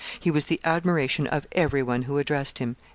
He was the admiration of every one who addressed him.